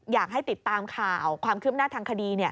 อยากให้ติดตามข่าวความคืบหน้าทางคดี